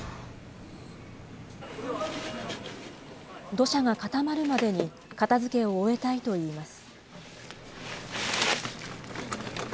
土砂が固まるまでに片づけを終えたいといいます。